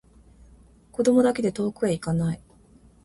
子供だけで遠くへいかない